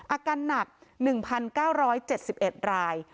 อาการหนัก๑๙๗๑ราย